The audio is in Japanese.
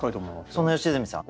そんな良純さん